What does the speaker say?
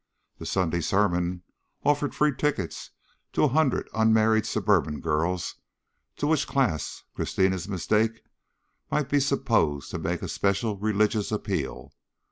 The Sunday Sermon offered free tickets to a hundred unmarried suburban girls, to which class Christina's Mistake might be supposed to make a special religious appeal.